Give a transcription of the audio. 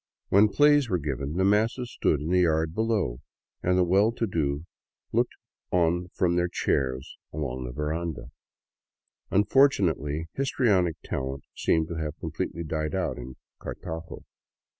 When plays were given, the masses stood in the yard below and the well to do looked on from their chairs along the veranda. Unfortunately, histrionic talent seemed to have completely died out in Cartago.